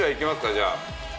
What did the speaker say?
じゃあ。